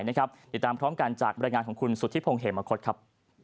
ติดตามพร้อมกันจากบรรยายงานของคุณสุธิพงศ์เหมคตครับ